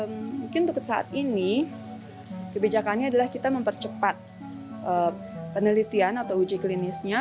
mungkin untuk saat ini kebijakannya adalah kita mempercepat penelitian atau uji klinisnya